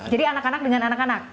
jadi anak anak dengan anak anak